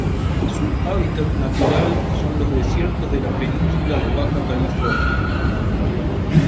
Su hábitat natural son los desiertos de la península de Baja California.